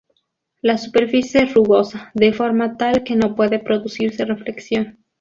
La superficie es rugosa, de forma tal que no puede producirse reflexión.